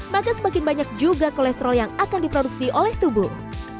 maka semakin banyak juga kolesterol yang akan diproduksi oleh tubuh